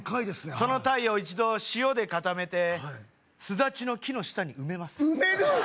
そのタイを一度塩で固めてスダチの木の下に埋めます埋める？